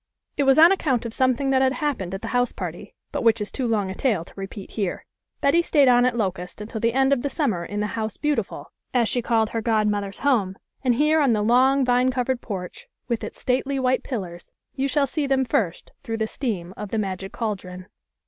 It was on account of something that had happened at the house party, but which is too long a tale to repeat here. Betty stayed on at Locust until the end of the summer in the House Beautiful, as she called her godmother's home, and here on the long vine covered 1 6 THE LITTLE COLONEL'S If OLID AYS. porch, with its stately white pillars, you shall see them first through the steam of the magic caldron.)